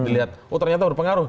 lihat oh ternyata berpengaruh